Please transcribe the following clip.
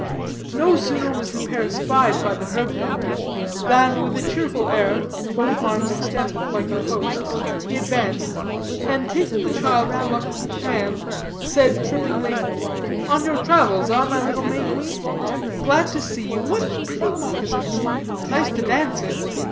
No sooner was the pair spied by the herb doctor, than with a cheerful air, both arms extended like a host's, he advanced, and taking the child's reluctant hand, said, trippingly: "On your travels, ah, my little May Queen? Glad to see you. What pretty moccasins. Nice to dance in."